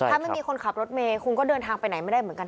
ถ้าไม่มีคนขับรถเมย์คุณก็เดินทางไปไหนไม่ได้เหมือนกัน